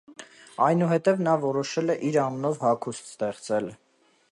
Այնուհետև նա որոշել է իր անունով հագուստ ստեղծել։